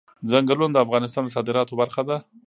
ځنګلونه د افغانستان د صادراتو برخه ده.